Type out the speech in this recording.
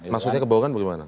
maksudnya kebohongan bagaimana